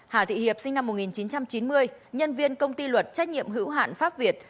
hà thị hiệp sinh năm một nghìn chín trăm chín mươi nhân viên công ty luật trách nhiệm hữu hạn pháp việt